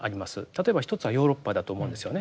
例えば一つはヨーロッパだと思うんですよね。